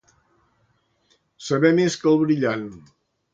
Saber més que el Brillant.